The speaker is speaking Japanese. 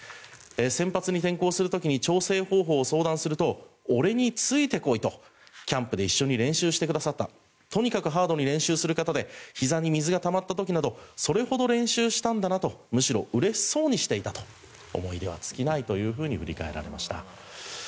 先発に転向する時に調整方法を相談すると俺について来いと、キャンプで一緒に練習してくださったとにかくハードに練習する方でひざに水がたまった時などそれほど練習したんだなとむしろ、嬉しそうにしていた思い出は尽きないと振り返られました。